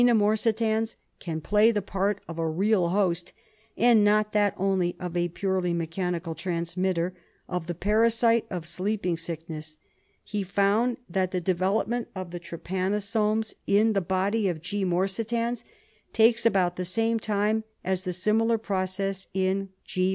morsitans can play the part of a real host, and not that only of a purely mechanical transmitter, of the parasite of sleeping sickness. He found that the development of the trypanosomes in the body of G. morsitans takes about the same time as the similar process in G.